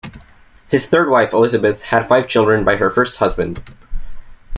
His third wife Elizabeth had five children by her first husband.